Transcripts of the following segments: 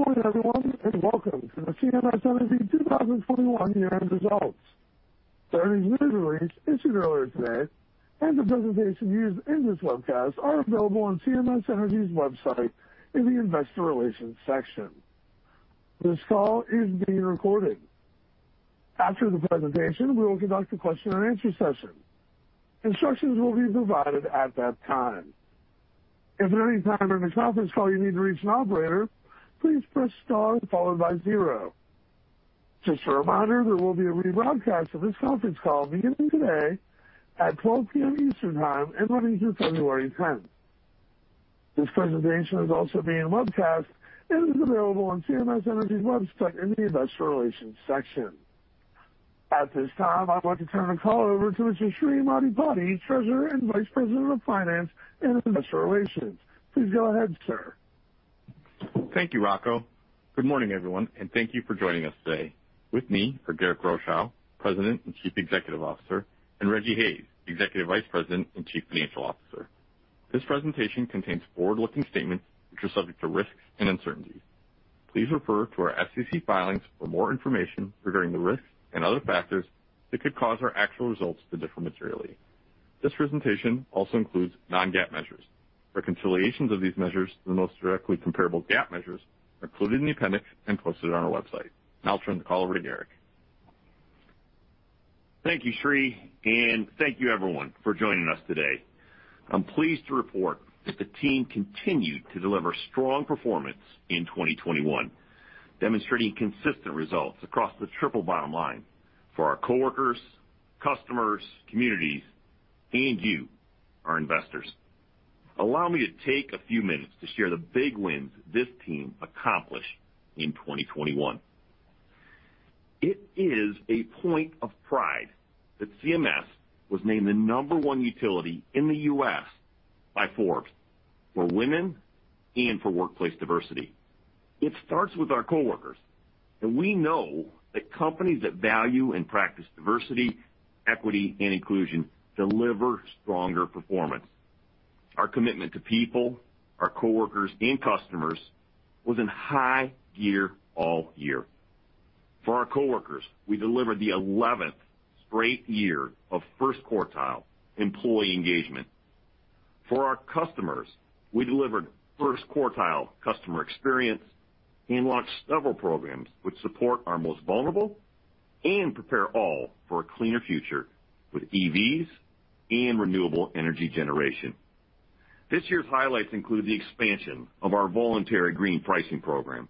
Good morning, everyone, and welcome to the CMS Energy 2021 year-end results. The earnings news release issued earlier today and the presentation used in this webcast are available on CMS Energy's website in the Investor Relations section. This call is being recorded. After the presentation, we will conduct a question-and-answer session. Instructions will be provided at that time. If at any time during this conference call you need to reach an operator, please press Star followed by zero. Just a reminder, there will be a rebroadcast of this conference call beginning today at 12:00 P.M. Eastern Time and running through February 10. This presentation is also being webcast and is available on CMS Energy's website in the Investor Relations section. At this time, I'd like to turn the call over to Sri Maddipati, Treasurer and Vice President of Finance and Investor Relations. Please go ahead, sir. Thank you, Rocco. Good morning, everyone, and thank you for joining us today. With me are Garrick Rochow, President and Chief Executive Officer, and Rejji Hayes, Executive Vice President and Chief Financial Officer. This presentation contains forward-looking statements which are subject to risks and uncertainties. Please refer to our SEC filings for more information regarding the risks and other factors that could cause our actual results to differ materially. This presentation also includes non-GAAP measures. Reconciliations of these measures to the most directly comparable GAAP measures are included in the appendix and posted on our website. Now I'll turn the call over to Garrick. Thank you, Sri, and thank you, everyone, for joining us today. I'm pleased to report that the team continued to deliver strong performance in 2021, demonstrating consistent results across the triple bottom line for our coworkers, customers, communities, and you, our investors. Allow me to take a few minutes to share the big wins this team accomplished in 2021. It is a point of pride that CMS was named the number one utility in the U.S. by Forbes for women and for workplace diversity. It starts with our coworkers, and we know that companies that value and practice diversity, equity, and inclusion deliver stronger performance. Our commitment to people, our coworkers, and customers was in high gear all year. For our coworkers, we delivered the eleventh straight year of first quartile employee engagement. For our customers, we delivered first quartile customer experience and launched several programs which support our most vulnerable and prepare all for a cleaner future with EVs and renewable energy generation. This year's highlights include the expansion of our Voluntary Green Pricing program,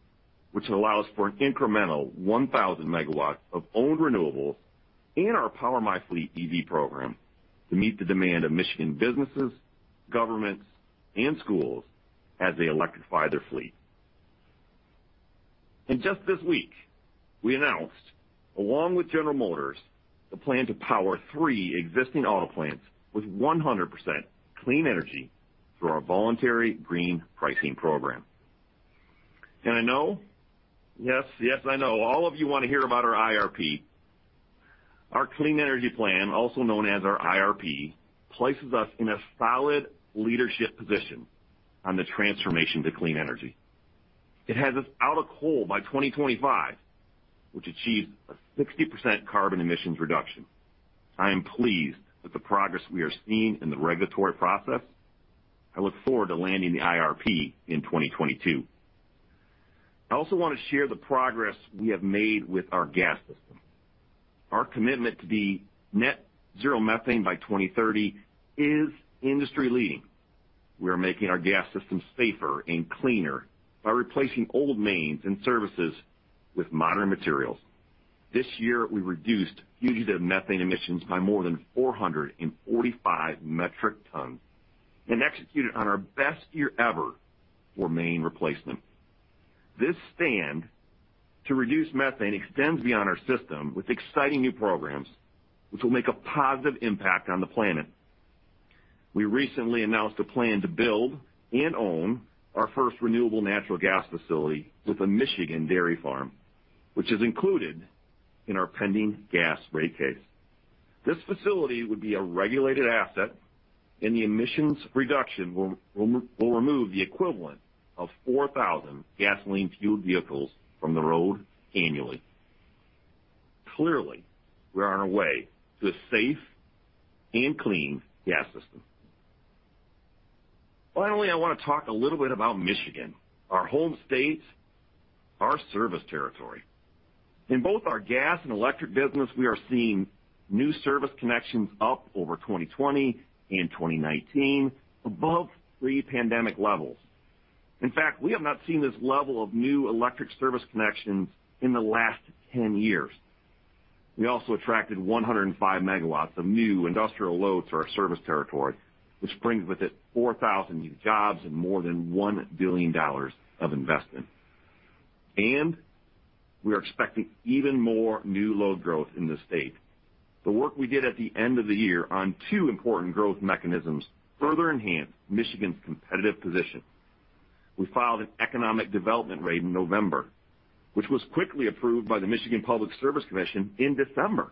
which allows for an incremental 1,000 MW of owned renewables and our PowerMIFleet EV program to meet the demand of Michigan businesses, governments, and schools as they electrify their fleet. Just this week, we announced, along with General Motors, the plan to power three existing auto plants with 100% clean energy through our Voluntary Green Pricing program. I know. Yes, yes, I know. All of you want to hear about our IRP. Our clean energy plan, also known as our IRP, places us in a solid leadership position on the transformation to clean energy. It has us out of coal by 2025, which achieves a 60% carbon emissions reduction. I am pleased with the progress we are seeing in the regulatory process. I look forward to landing the IRP in 2022. I also want to share the progress we have made with our gas system. Our commitment to be net zero methane by 2030 is industry-leading. We are making our gas systems safer and cleaner by replacing old mains and services with modern materials. This year, we reduced fugitive methane emissions by more than 445 metric tons and executed on our best year ever for main replacement. This stand to reduce methane extends beyond our system with exciting new programs which will make a positive impact on the planet. We recently announced a plan to build and own our first renewable natural gas facility with a Michigan dairy farm, which is included in our pending gas rate case. This facility would be a regulated asset, and the emissions reduction will remove the equivalent of 4,000 gasoline-fueled vehicles from the road annually. Clearly, we are on our way to a safe and clean gas system. Finally, I want to talk a little bit about Michigan, our home state, our service territory. In both our gas and electric business, we are seeing new service connections up over 2020 and 2019 above pre-pandemic levels. In fact, we have not seen this level of new electric service connections in the last 10-years. We attracted 105 MW of new industrial load to our service territory, which brings with it 4,000 new jobs and more than $1 billion of investment. We are expecting even more new load growth in the state. The work we did at the end of the year on two important growth mechanisms further enhanced Michigan's competitive position. We filed an economic development rate in November, which was quickly approved by the Michigan Public Service Commission in December.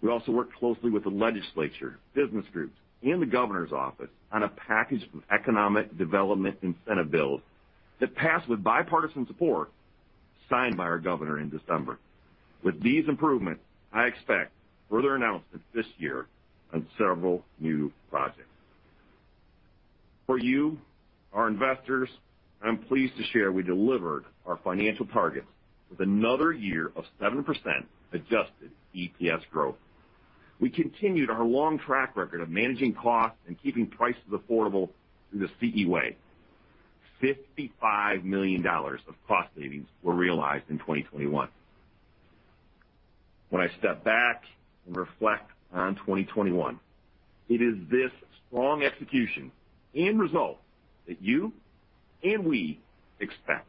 We also worked closely with the legislature, business groups, and the governor's office on a package of economic development incentive bills that passed with bipartisan support, signed by our governor in December. With these improvements, I expect further announcements this year on several new projects. For you, our investors, I'm pleased to share we delivered our financial targets with another year of 7% adjusted EPS growth. We continued our long track record of managing costs and keeping prices affordable through the CE Way. $55 million of cost savings were realized in 2021. When I step back and reflect on 2021, it is this strong execution and results that you and we expect,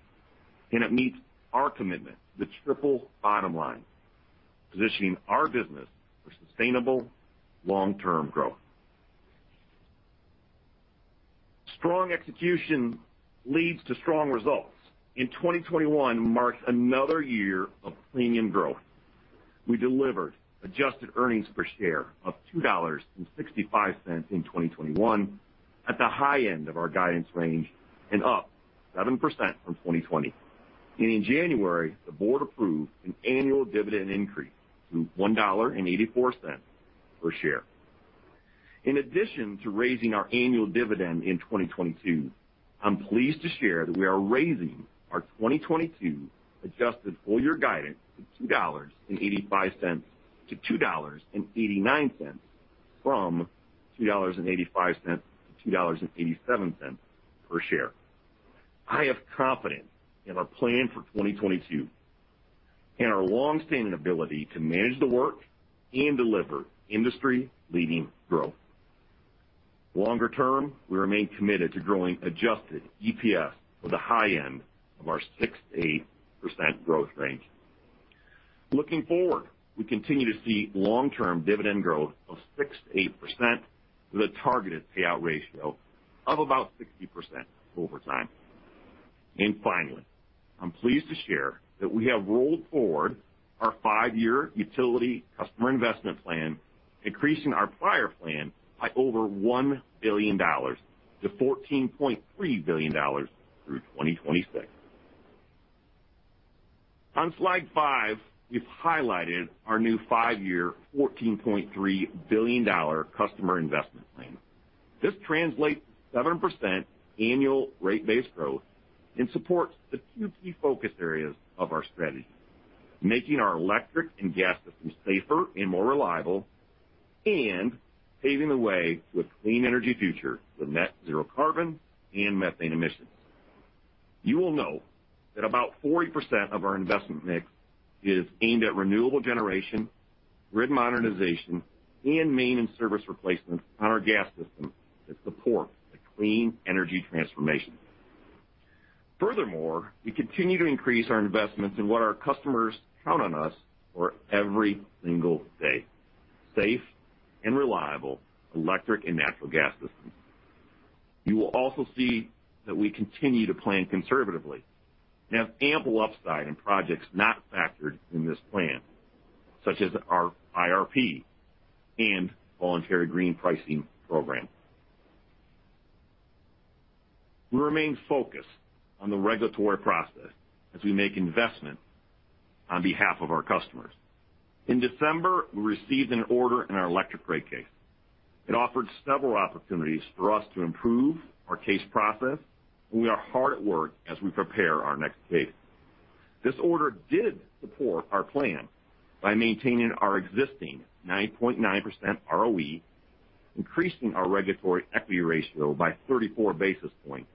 and it meets our commitment, the triple bottom line, positioning our business for sustainable long-term growth. Strong execution leads to strong results, and 2021 marks another year of premium growth. We delivered adjusted earnings per share of $2.65 in 2021 at the high end of our guidance range and up 7% from 2020. In January, the board approved an annual dividend increase to $1.84 per share. In addition to raising our annual dividend in 2022, I'm pleased to share that we are raising our 2022 adjusted full-year guidance to $2.85-$2.89 from $2.85-$2.87 per share. I have confidence in our plan for 2022 and our long-standing ability to manage the work and deliver industry-leading growth. Longer term, we remain committed to growing adjusted EPS for the high end of our 6%-8% growth range. Looking forward, we continue to see long-term dividend growth of 6%-8% with a targeted payout ratio of about 60% over time. Finally, I'm pleased to share that we have rolled forward our five-year utility customer investment plan, increasing our prior plan by over $1 billion-$14.3 billion through 2026. On Slide 5, we've highlighted our new five year, $14.3 billion customer investment plan. This translates to 7% annual rate base growth and supports the two key focus areas of our strategy, making our electric and gas systems safer and more reliable, and paving the way to a clean energy future with net zero carbon and methane emissions. You will know that about 40% of our investment mix is aimed at renewable generation, grid modernization, and main and service replacements on our gas system that support the clean energy transformation. Furthermore, we continue to increase our investments in what our customers count on us for every single day, safe and reliable electric and natural gas systems. You will also see that we continue to plan conservatively and have ample upside in projects not factored in this plan, such as our IRP and Voluntary Green Pricing program. We remain focused on the regulatory process as we make investments on behalf of our customers. In December, we received an order in our electric rate case. It offered several opportunities for us to improve our case process, and we are hard at work as we prepare our next case. This order did support our plan by maintaining our existing 9.9% ROE, increasing our regulatory equity ratio by 34 basis points,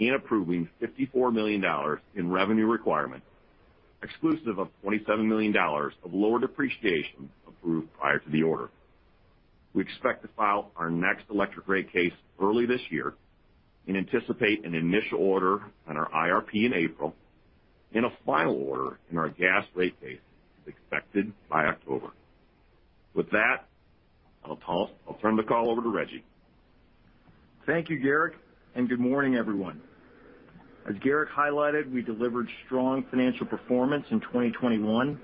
and approving $54 million in revenue requirements, exclusive of $27 million of lower depreciation approved prior to the order. We expect to file our next electric rate case early this year and anticipate an initial order on our IRP in April and a final order in our gas rate case is expected by October. With that, I'll turn the call over to Rejji. Thank you, Garrick, and good morning, everyone. As Garrick highlighted, we delivered strong financial performance in 2021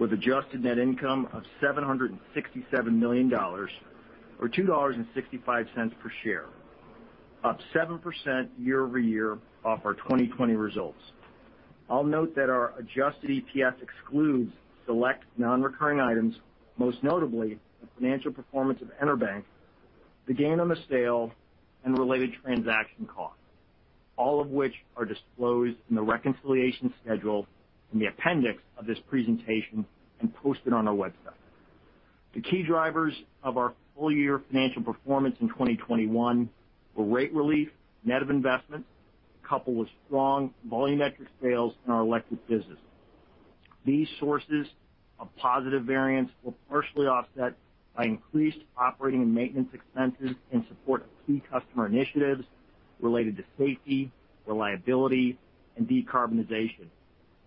with adjusted net income of $767 million or $2.65 per share, up 7% year-over-year off our 2020 results. I'll note that our adjusted EPS excludes select non-recurring items, most notably the financial performance of EnerBank, the gain on the sale, and related transaction costs, all of which are disclosed in the reconciliation schedule in the appendix of this presentation and posted on our website. The key drivers of our full-year financial performance in 2021 were rate relief, net of investment, coupled with strong volumetric sales in our electric business. These sources of positive variance were partially offset by increased operating and maintenance expenses in support of key customer initiatives related to safety, reliability, and decarbonization,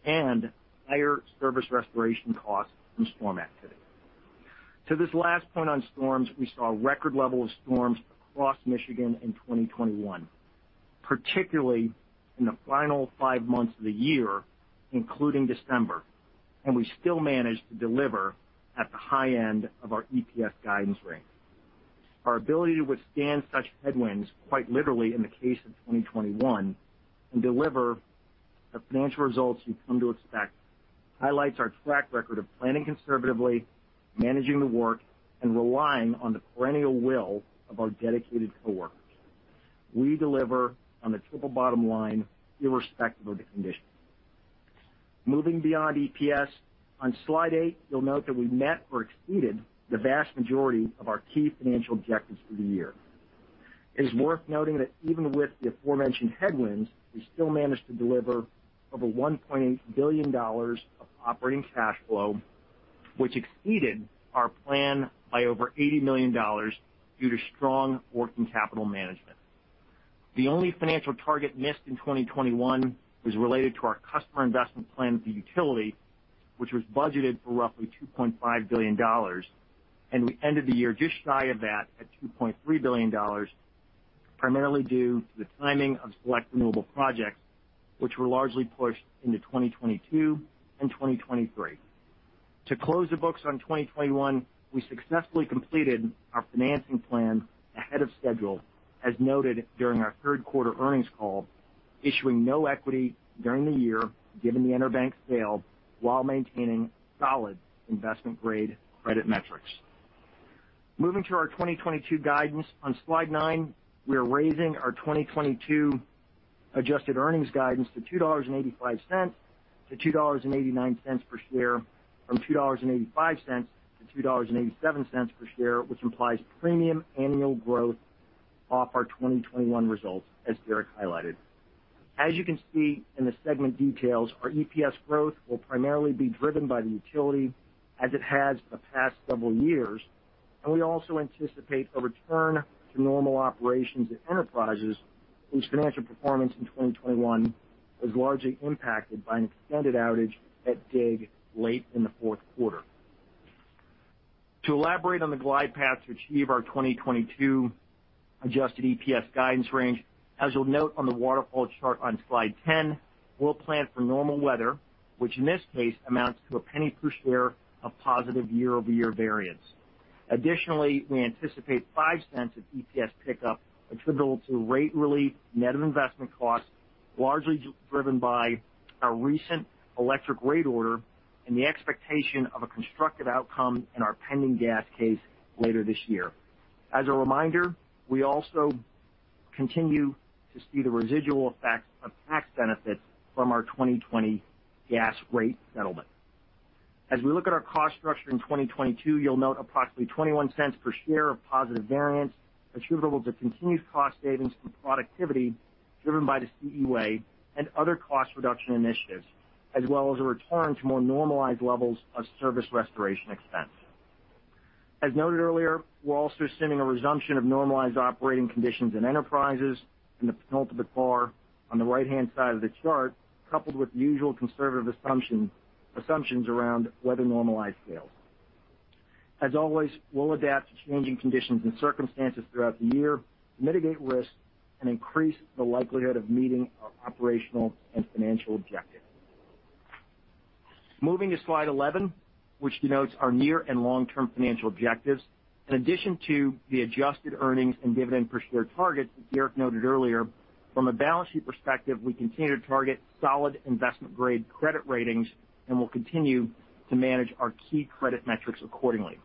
and higher service restoration costs from storm activity. To this last point on storms, we saw record levels of storms across Michigan in 2021. Particularly in the final five months of the year, including December, and we still managed to deliver at the high end of our EPS guidance range. Our ability to withstand such headwinds, quite literally in the case of 2021, and deliver the financial results you've come to expect, highlights our track record of planning conservatively, managing the work, and relying on the perennial will of our dedicated coworkers. We deliver on the triple bottom line irrespective of the conditions. Moving beyond EPS, on Slide 8, you'll note that we met or exceeded the vast majority of our key financial objectives for the year. It is worth noting that even with the aforementioned headwinds, we still managed to deliver over $1.8 billion of operating cash flow, which exceeded our plan by over $80 million due to strong working capital management. The only financial target missed in 2021 was related to our customer investment plan at the utility, which was budgeted for roughly $2.5 billion, and we ended the year just shy of that at $2.3 billion, primarily due to the timing of select renewable projects, which were largely pushed into 2022 and 2023. To close the books on 2021, we successfully completed our financing plan ahead of schedule, as noted during our third quarter earnings call, issuing no equity during the year, given the EnerBank sale, while maintaining solid investment-grade credit metrics. Moving to our 2022 guidance on Slide 9, we are raising our 2022 adjusted earnings guidance to $2.85-$2.89 per share from $2.85-$2.87 per share, which implies premium annual growth off our 2021 results, as Garrick highlighted. As you can see in the segment details, our EPS growth will primarily be driven by the utility as it has for the past several years. We also anticipate a return to normal operations at CMS Enterprises, whose financial performance in 2021 was largely impacted by an extended outage at DIG late in the fourth quarter. To elaborate on the glide path to achieve our 2022 adjusted EPS guidance range, as you'll note on the waterfall chart on Slide 10, we'll plan for normal weather, which in this case amounts to $0.01 per share of positive year-over-year variance. Additionally, we anticipate $0.05 of EPS pickup attributable to rate relief, net of investment costs, largely driven by our recent electric rate order and the expectation of a constructive outcome in our pending gas case later this year. As a reminder, we also continue to see the residual effects of tax benefits from our 2020 gas rate settlement. As we look at our cost structure in 2022, you'll note approximately $0.21 per share of positive variance attributable to continued cost savings from productivity driven by the CE Way and other cost reduction initiatives, as well as a return to more normalized levels of service restoration expense. As noted earlier, we're also assuming a resumption of normalized operating conditions in Enterprises in the penultimate bar on the right-hand side of the chart, coupled with usual conservative assumptions around weather-normalized sales. As always, we'll adapt to changing conditions and circumstances throughout the year to mitigate risk and increase the likelihood of meeting our operational and financial objectives. Moving to Slide 11, which denotes our near and long-term financial objectives. In addition to the adjusted earnings and dividend per share targets that Garrick noted earlier, from a balance sheet perspective, we continue to target solid investment-grade credit ratings, and we'll continue to manage our key credit metrics accordingly.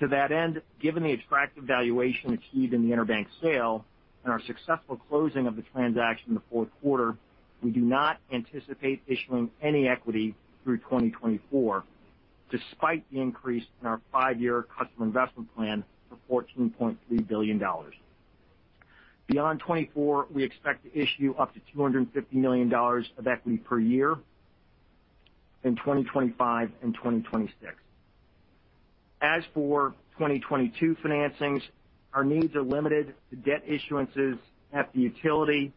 To that end, given the attractive valuation achieved in the EnerBank sale and our successful closing of the transaction in the fourth quarter, we do not anticipate issuing any equity through 2024, despite the increase in our five-year customer investment plan to $14.3 billion. Beyond 2024, we expect to issue up to $250 million of equity per year in 2025 and 2026. As for 2022 financings, our needs are limited to debt issuances at the utility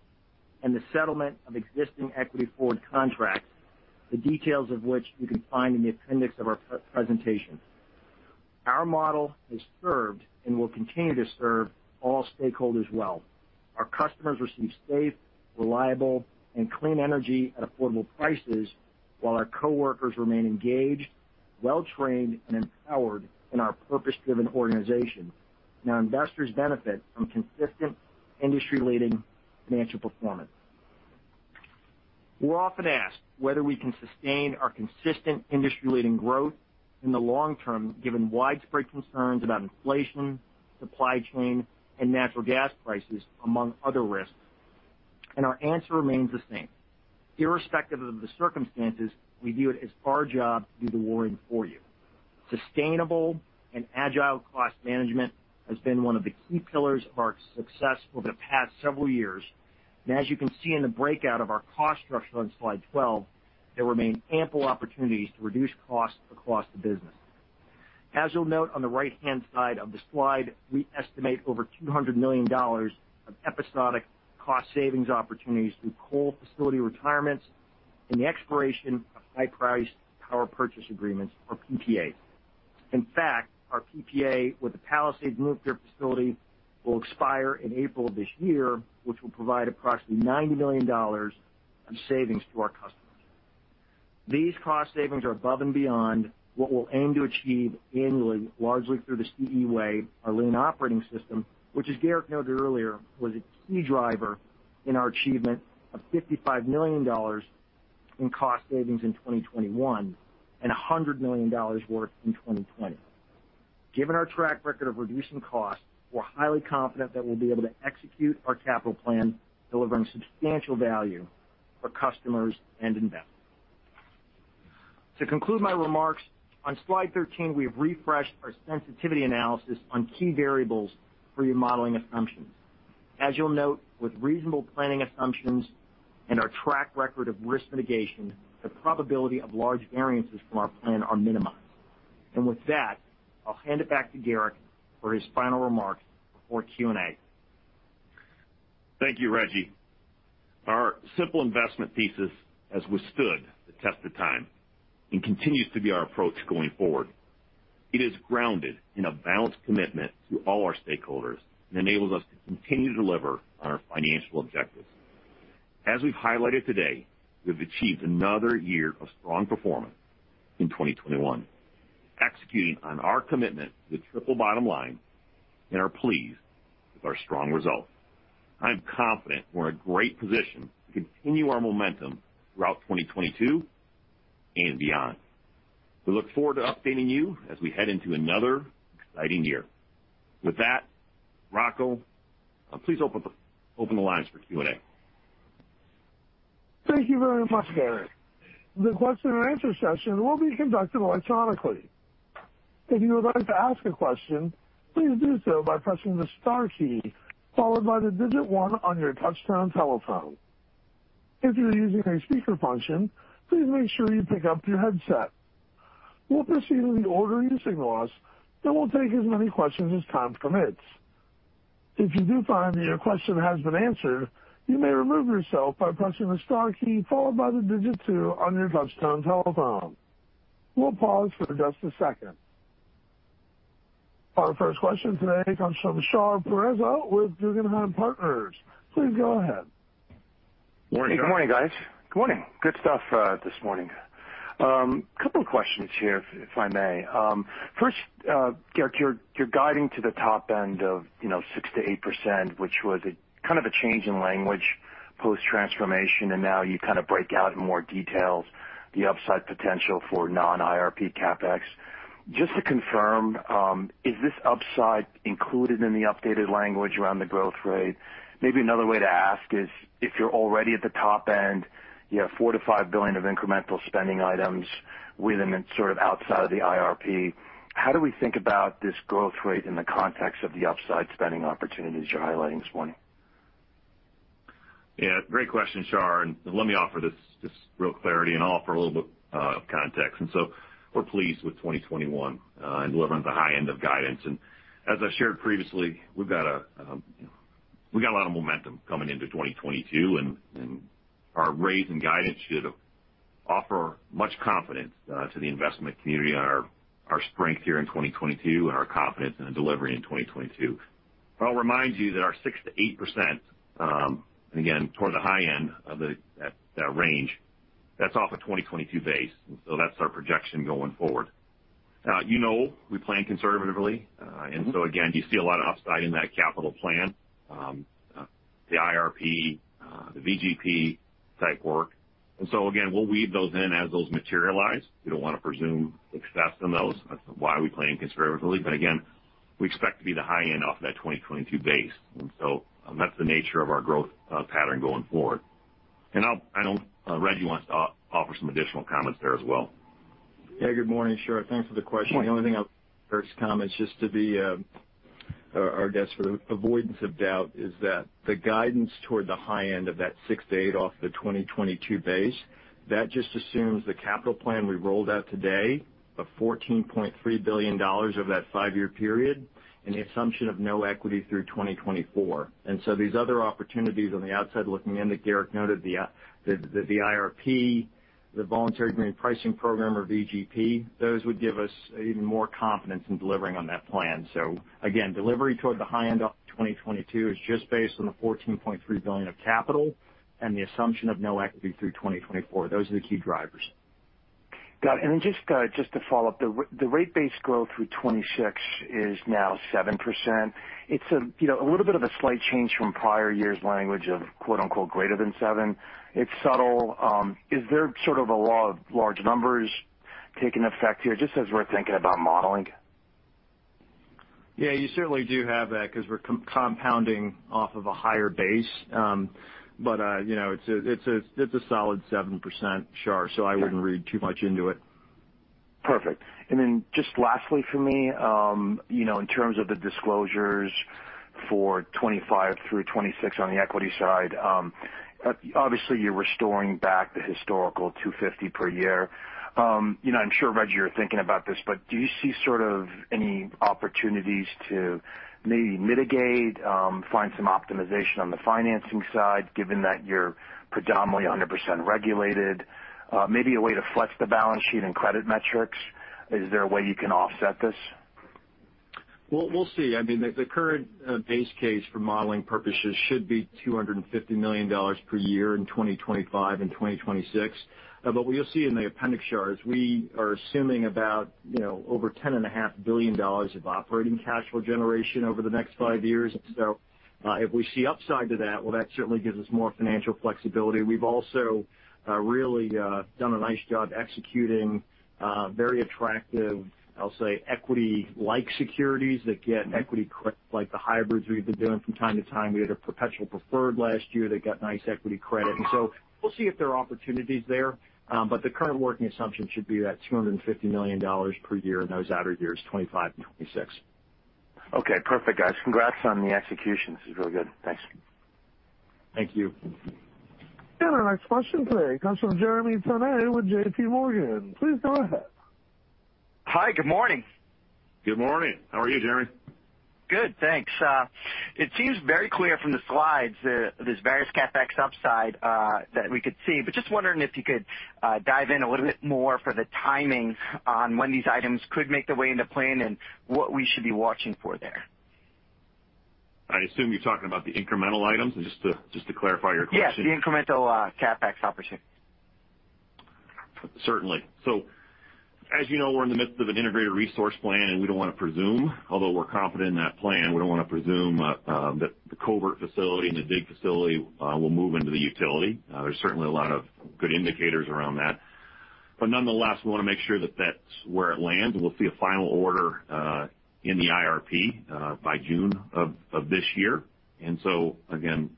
and the settlement of existing equity forward contracts, the details of which you can find in the appendix of our presentation. Our model has served and will continue to serve all stakeholders well. Our customers receive safe, reliable, and clean energy at affordable prices, while our coworkers remain engaged, well-trained, and empowered in our purpose-driven organization. Our investors benefit from consistent industry-leading financial performance. We're often asked whether we can sustain our consistent industry-leading growth in the long term, given widespread concerns about inflation, supply chain, and natural gas prices, among other risks. Our answer remains the same. Irrespective of the circumstances, we view it as our job to do the worrying for you. Sustainable and agile cost management has been one of the key pillars of our success over the past several years. As you can see in the breakout of our cost structure on Slide 12, there remain ample opportunities to reduce costs across the business. As you'll note on the right-hand side of the slide, we estimate over $200 million of episodic cost savings opportunities through coal facility retirements and the expiration of high-priced power purchase agreements or PPAs. In fact, our PPA with the Palisades nuclear facility will expire in April of this year, which will provide approximately $90 million in savings to our customers. These cost savings are above and beyond what we'll aim to achieve annually, largely through The CE Way, our lean operating system, which, as Garrick noted earlier, was a key driver in our achievement of $55 million in cost savings in 2021 and $100 million worth in 2020. Given our track record of reducing costs, we're highly confident that we'll be able to execute our capital plan, delivering substantial value for customers and investors. To conclude my remarks, on Slide 13, we have refreshed our sensitivity analysis on key variables for your modeling assumptions. As you'll note, with reasonable planning assumptions and our track record of risk mitigation, the probability of large variances from our plan are minimized. With that, I'll hand it back to Garrick for his final remarks before Q&A. Thank you, Rejji. Our simple investment thesis has withstood the test of time and continues to be our approach going forward. It is grounded in a balanced commitment to all our stakeholders and enables us to continue to deliver on our financial objectives. As we've highlighted today, we've achieved another year of strong performance in 2021, executing on our commitment to the triple bottom line, and are pleased with our strong results. I'm confident we're in a great position to continue our momentum throughout 2022 and beyond. We look forward to updating you as we head into another exciting year. With that, Rocco, please open the lines for Q&A. Thank you very much, Garrick. The question-and-answer session will be conducted electronically. If you would like to ask a question, please do so by pressing the star key followed by the digit 1 on your touch-tone telephone. If you're using a speaker function, please make sure you pick up your headset. We'll proceed in the order you signal us, and we'll take as many questions as time permits. If you do find that your question has been answered, you may remove yourself by pressing the star key followed by the digit two on your touch-tone telephone. We'll pause for just a second. Our first question today comes from Shar Pourreza with Guggenheim Partners. Please go ahead. Morning. Good morning, guys. Good morning. Good stuff this morning. Couple of questions here if I may. First, Garrick, you're guiding to the top end of, you know, 6%-8%, which was a kind of a change in language post-transformation, and now you kind of break out in more details the upside potential for non-IRP CapEx. Just to confirm, is this upside included in the updated language around the growth rate? Maybe another way to ask is, if you're already at the top end, you have $4 billion-$5 billion of incremental spending items within and sort of outside of the IRP, how do we think about this growth rate in the context of the upside spending opportunities you're highlighting this morning? Yeah, great question, Shar. Let me offer this real clarity, and I'll offer a little bit context. We're pleased with 2021 and delivering at the high end of guidance. As I shared previously, we've got a lot of momentum coming into 2022 and our raise in guidance should offer much confidence to the investment community on our strength here in 2022 and our confidence in the delivery in 2022. I'll remind you that our 6%-8%, and again, toward the high end of that range, that's off a 2022 base. That's our projection going forward. You know, we plan conservatively. Again, you see a lot of upside in that capital plan, the IRP, the VGP-type work. Again, we'll weave those in as those materialize. We don't wanna presume success on those. That's why we plan conservatively. Again, we expect to be the high end off of that 2022 base. That's the nature of our growth pattern going forward. I know Rejji wants to offer some additional comments there as well. Yeah, good morning, Shar. Thanks for the question. Morning. The only thing I'll add to Garrick's comment is just to be, I guess, for the avoidance of doubt, that the guidance toward the high end of that 6%-8% off the 2022 base, that just assumes the capital plan we rolled out today of $14.3 billion over that five year period and the assumption of no equity through 2024. These other opportunities on the outside looking in that Garrick noted, the IRP, the Voluntary Green Pricing program or VGP, those would give us even more confidence in delivering on that plan. Again, delivery toward the high end of 2022 is just based on the $14.3 billion of capital and the assumption of no equity through 2024. Those are the key drivers. Got it. Just to follow up, the rate base growth through 2026 is now 7%. It's you know a little bit of a slight change from prior years' language of quote-unquote greater than seven. It's subtle. Is there sort of a law of large numbers taking effect here, just as we're thinking about modeling? Yeah, you certainly do have that because we're compounding off of a higher base. You know, it's a solid 7%, Shar, so I wouldn't read too much into it. Perfect. Just lastly for me, you know, in terms of the disclosures for 2025-2026 on the equity side, obviously you're restoring back the historical $2.50 per year. You know, I'm sure, Rejji, you're thinking about this, but do you see sort of any opportunities to maybe mitigate, find some optimization on the financing side given that you're predominantly 100% regulated? Maybe a way to flex the balance sheet and credit metrics. Is there a way you can offset this? Well, we'll see. I mean, the current base case for modeling purposes should be $250 million per year in 2025 and 2026. But what you'll see in the appendix charts, we are assuming about, you know, over $10.5 billion of operating cash flow generation over the next five years. If we see upside to that, well, that certainly gives us more financial flexibility. We've also really done a nice job executing very attractive, I'll say, equity-like securities that get equity credit, like the hybrids we've been doing from time to time. We had a perpetual preferred last year that got nice equity credit. We'll see if there are opportunities there, but the current working assumption should be that $250 million per year in those outer years, 2025 and 2026. Okay, perfect guys. Congrats on the execution. This is really good. Thanks. Thank you. Our next question today comes from Jeremy Tonet with JPMorgan. Please go ahead. Hi. Good morning. Good morning. How are you, Jeremy? Good, thanks. It seems very clear from the slides this various CapEx upside that we could see, but just wondering if you could dive in a little bit more for the timing on when these items could make their way into plan and what we should be watching for there? I assume you're talking about the incremental items just to clarify your question. Yes, the incremental CapEx opportunity. Certainly. As you know, we're in the midst of an integrated resource plan, and we don't wanna presume, although we're confident in that plan, that the Covert facility and the DIG facility will move into the utility. There's certainly a lot of good indicators around that. Nonetheless, we wanna make sure that that's where it lands. We'll see a final order in the IRP by June of this year. Again,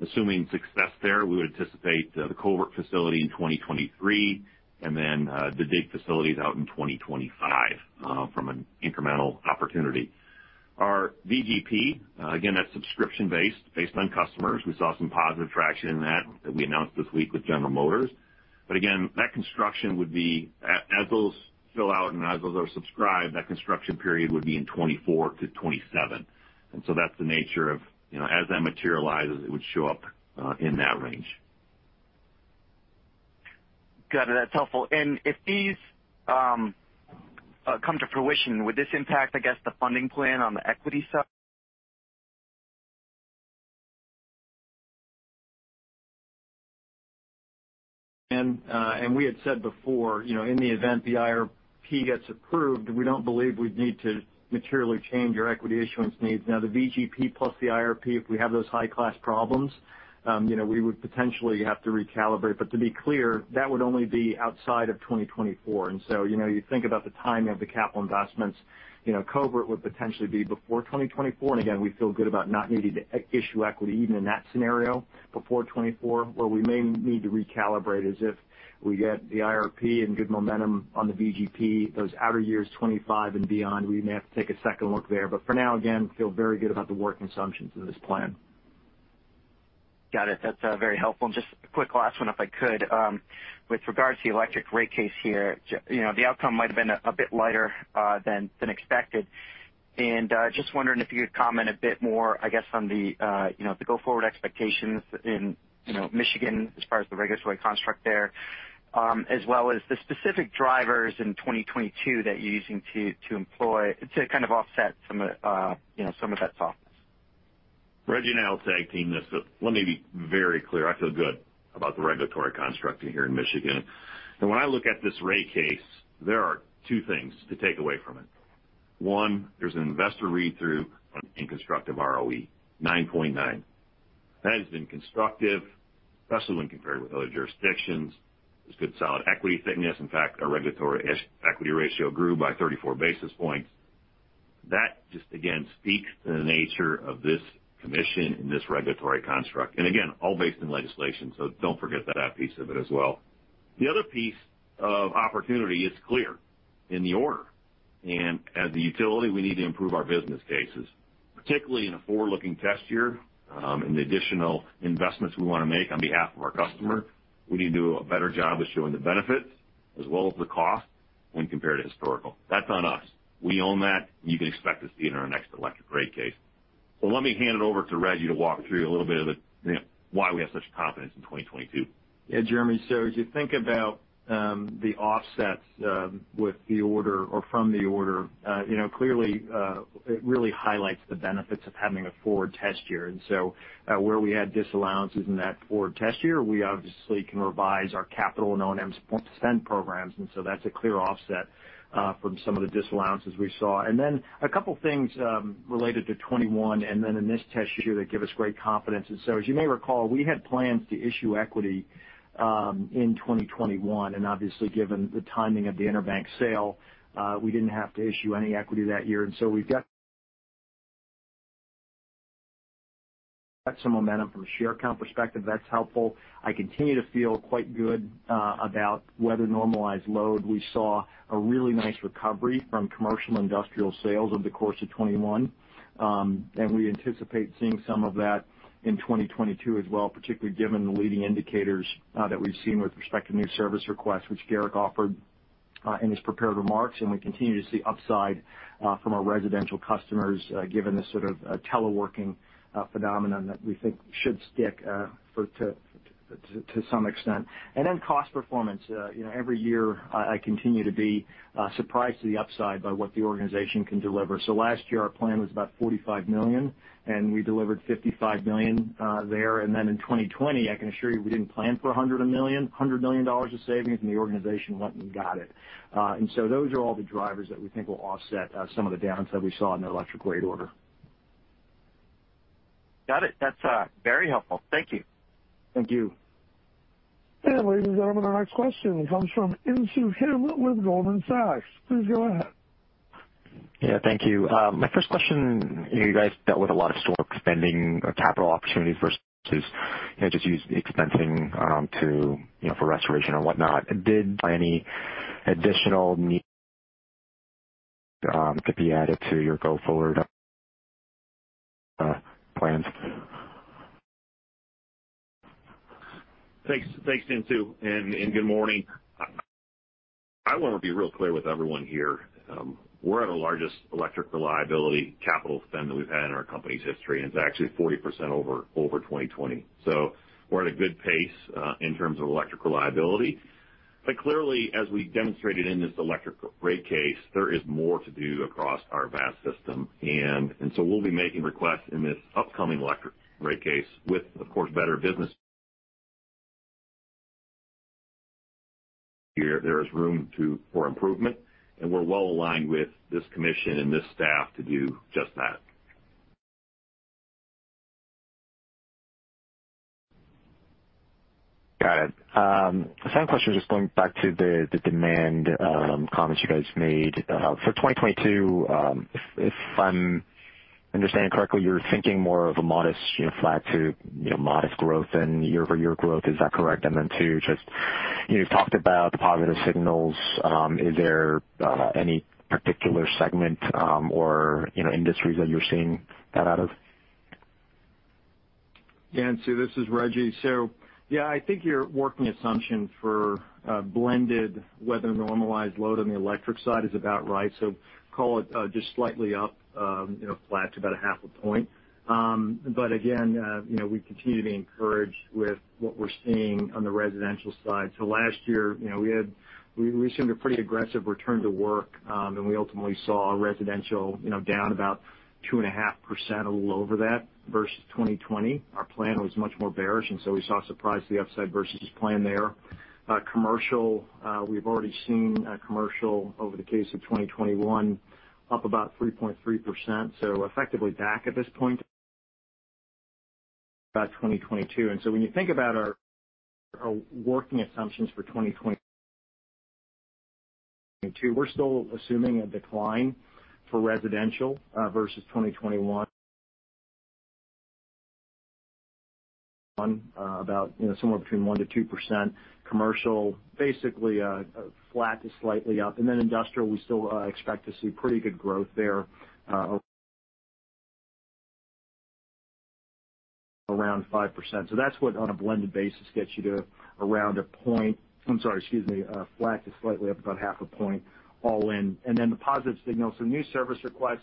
assuming success there, we would anticipate the Covert facility in 2023 and then the DIG facilities out in 2025 from an incremental opportunity. Our VGP, again that's subscription-based, based on customers. We saw some positive traction in that we announced this week with General Motors. Again, that construction would be as those fill out and as those are subscribed, that construction period would be in 2024-2027. And so that's the nature of, you know, as that materializes, it would show up in that range. Got it. That's helpful. If these come to fruition, would this impact, I guess, the funding plan on the equity side? We had said before, you know, in the event the IRP gets approved, we don't believe we'd need to materially change our equity issuance needs. Now, the VGP plus the IRP, if we have those high class problems, you know, we would potentially have to recalibrate. But to be clear, that would only be outside of 2024. You know, you think about the timing of the capital investments, you know, Covert would potentially be before 2024, and again, we feel good about not needing to issue equity even in that scenario before 2024. Where we may need to recalibrate is if we get the IRP and good momentum on the VGP, those outer years, 2025 and beyond, we may have to take a second look there. But for now, again, feel very good about the work assumptions in this plan. Got it. That's very helpful. Just a quick last one, if I could. With regards to the electric rate case here, you know, the outcome might have been a bit lighter than expected. Just wondering if you would comment a bit more, I guess, on the, you know, the go-forward expectations in, you know, Michigan as far as the regulatory construct there, as well as the specific drivers in 2022 that you're using to employ to kind of offset some of, you know, some of that softness. Rejji and I will tag team this, but let me be very clear, I feel good about the regulatory construct here in Michigan. When I look at this rate case, there are two things to take away from it. One, there's an investor read-through on a constructive ROE, 9.9. That has been constructive, especially when compared with other jurisdictions. There's good solid equity thickness. In fact, our regulatory equity ratio grew by 34 basis points. That just again speaks to the nature of this commission and this regulatory construct, and again, all based in legislation, so don't forget that piece of it as well. The other piece of opportunity is clear in the order. As a utility, we need to improve our business cases, particularly in a forward-looking test year, and the additional investments we wanna make on behalf of our customer. We need to do a better job of showing the benefits as well as the cost when compared to historical. That's on us. We own that, and you can expect to see it in our next electric rate case. Let me hand it over to Rejji to walk through a little bit of the, you know, why we have such confidence in 2022. Yeah, Jeremy, as you think about the offsets with the order or from the order, you know, clearly it really highlights the benefits of having a forward test year. Where we had disallowances in that forward test year, we obviously can revise our CapEx and O&M spend programs, and that's a clear offset from some of the disallowances we saw. A couple things related to 2021 and then in this test year that give us great confidence. As you may recall, we had plans to issue equity in 2021, and obviously, given the timing of the EnerBank sale, we didn't have to issue any equity that year. We've got some momentum from a share count perspective, that's helpful. I continue to feel quite good about weather normalized load. We saw a really nice recovery from commercial industrial sales over the course of 2021. We anticipate seeing some of that in 2022 as well, particularly given the leading indicators that we've seen with respect to new service requests, which Garrick offered in his prepared remarks, and we continue to see upside from our residential customers given this sort of a teleworking phenomenon that we think should stick for to some extent. Cost performance. You know, every year I continue to be surprised to the upside by what the organization can deliver. Last year, our plan was about $45 million, and we delivered $55 million there. In 2020, I can assure you we didn't plan for $100 million dollars of savings, and the organization went and got it. Those are all the drivers that we think will offset some of the downside we saw in the electric rate order. Got it. That's very helpful. Thank you. Thank you. Ladies and gentlemen, our next question comes from Insoo Kim with Goldman Sachs. Please go ahead. Yeah, thank you. My first question, you guys dealt with a lot of storm spending capital opportunities versus just usual expensing, you know, for restoration or whatnot. Did any additional need could be added to your go-forward plans? Thanks. Thanks, Insoo, and good morning. I want to be real clear with everyone here. We're at our largest electric reliability capital spend that we've had in our company's history, and it's actually 40% over 2020. We're at a good pace in terms of electric reliability. Clearly, as we demonstrated in this electric rate case, there is more to do across our vast system. We'll be making requests in this upcoming electric rate case with, of course, better business here. There is room for improvement, and we're well aligned with this commission and this staff to do just that. Got it. The second question, just going back to the demand comments you guys made for 2022, if I'm understanding correctly, you're thinking more of a modest, you know, flat to, you know, modest growth than year-over-year growth. Is that correct? And then two, just, you know, you've talked about the positive signals. Is there any particular segment or, you know, industries that you're seeing that out of? Insoo, this is Rejji. I think your working assumption for blended weather normalized load on the electric side is about right. Call it just slightly up, you know, flat to about a half a point. But again, you know, we continue to be encouraged with what we're seeing on the residential side. Last year, you know, we had. We assumed a pretty aggressive return to work, and we ultimately saw residential, you know, down about 2.5%, a little over that versus 2020. Our plan was much more bearish, and so we saw surprise to the upside versus plan there. Commercial, we've already seen commercial over the course of 2021 up about 3.3%. Effectively back at this point about 2022. When you think about our working assumptions for 2022, we're still assuming a decline for residential versus 2021, about you know somewhere between 1%-2%. Commercial flat to slightly up. Industrial, we still expect to see pretty good growth there, around 5%. That's what on a blended basis gets you to around 1%. Flat to slightly up, about 0.5% all in. The positive signals from new service requests.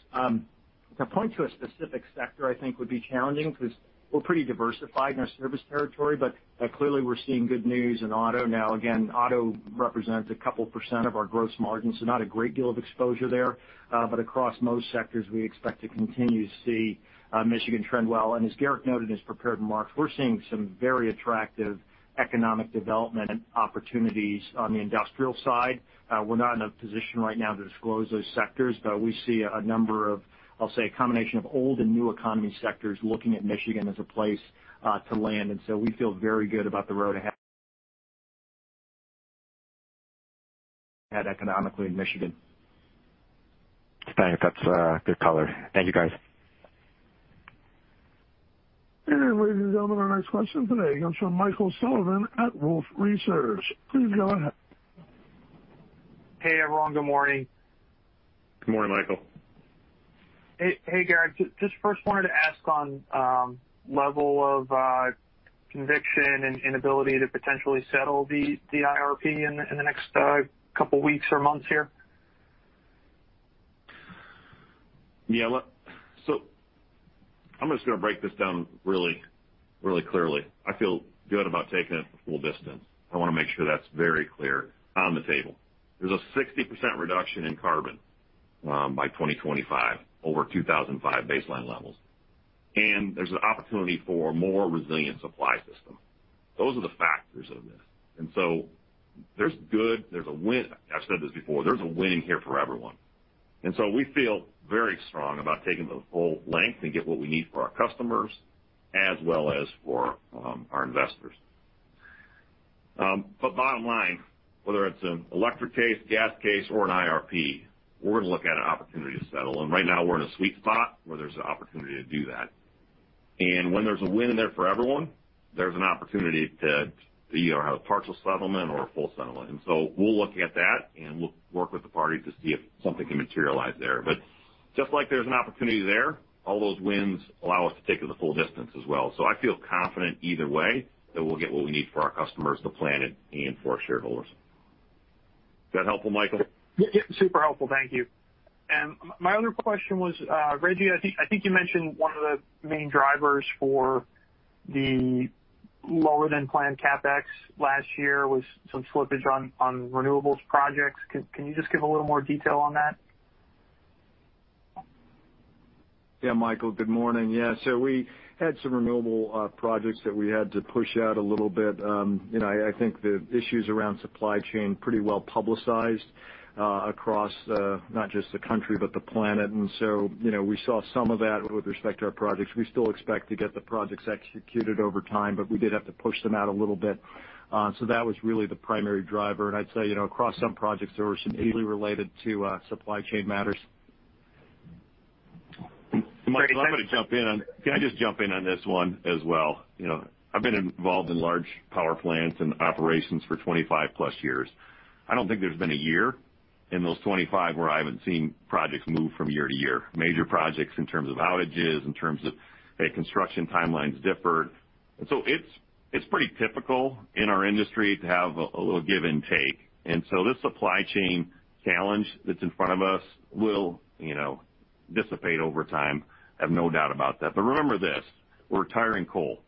To point to a specific sector I think would be challenging because we're pretty diversified in our service territory, but clearly we're seeing good news in auto. Now, again, auto represents a couple percent of our gross margin, so not a great deal of exposure there. Across most sectors, we expect to continue to see Michigan trend well. As Garrick noted in his prepared remarks, we're seeing some very attractive economic development opportunities on the industrial side. We're not in a position right now to disclose those sectors, but we see a number of, I'll say, a combination of old and new economy sectors looking at Michigan as a place to land. We feel very good about the road ahead, economically in Michigan. Thanks. That's good color. Thank you, guys. Ladies and gentlemen, our next question today comes from Michael Sullivan at Wolfe Research. Please go ahead. Hey, everyone. Good morning. Good morning, Michael. Hey, Garrick, just first wanted to ask on level of conviction in the ability to potentially settle the IRP in the next couple weeks or months here. Yeah, look, I'm just gonna break this down really, really clearly. I feel good about taking it the full distance. I want to make sure that's very clear on the table. There's a 60% reduction in carbon by 2025 over 2005 baseline levels. There's an opportunity for a more resilient supply system. Those are the factors of this. There's good, there's a win. I've said this before, there's a win in here for everyone. We feel very strong about taking the full length and get what we need for our customers as well as for our investors. Bottom line, whether it's an electric case, gas case, or an IRP, we're gonna look at an opportunity to settle. Right now, we're in a sweet spot where there's an opportunity to do that. When there's a win in there for everyone, there's an opportunity to either have a partial settlement or a full settlement. We'll look at that, and we'll work with the party to see if something can materialize there. Just like there's an opportunity there, all those wins allow us to take it the full distance as well. I feel confident either way that we'll get what we need for our customers, the planet, and for our shareholders. Is that helpful, Michael? Yeah. Super helpful. Thank you. My other question was, Rejji, I think you mentioned one of the main drivers for the lower than planned CapEx last year was some slippage on renewables projects. Can you just give a little more detail on that? Yeah, Michael, good morning. Yeah. We had some renewable projects that we had to push out a little bit. You know, I think the issues around supply chain pretty well-publicized across not just the country but the planet. You know, we saw some of that with respect to our projects. We still expect to get the projects executed over time, but we did have to push them out a little bit. That was really the primary driver. I'd say, you know, across some projects there were some issues related to supply chain matters. Michael, can I just jump in on this one as well? You know, I've been involved in large power plants and operations for 25+ years. I don't think there's been a year in those 25 where I haven't seen projects move from year to year. Major projects in terms of outages, in terms of construction timelines differed. It's pretty typical in our industry to have a little give and take. This supply chain challenge that's in front of us will, you know, dissipate over time. I have no doubt about that. Remember this, we're retiring coal,